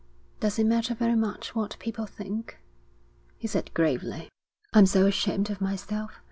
'Does it matter very much what people think?' he said gravely. 'I'm so ashamed of myself.